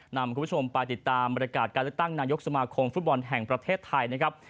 นำคุณผู้ชมไปติดตามบรรยากาศการเลือกตั้งนายกสมาคมฟุตบอลแห่งประเทศไทยนะครับ